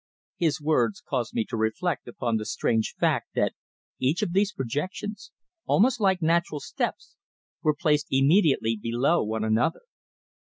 His words caused me to reflect upon the strange fact that each of these projections, almost like natural steps, were placed immediately below one another.